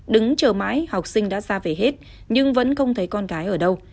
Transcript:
đứng chờ mãi học sinh đã ra về hết nhưng vẫn không thấy con gái ở đâu